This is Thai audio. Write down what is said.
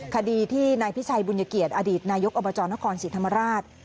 คดีที่นายพิชัยบุญเกียรติอดีตนายกอบจนครศรีธรรมราช